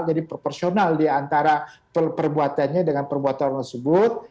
jadi proporsional diantara perbuatannya dengan perbuatan tersebut